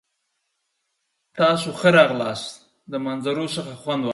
تاسو ښه راغلاست. د منظرو څخه خوند واخلئ!